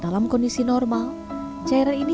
dalam kondisi normal cairan ini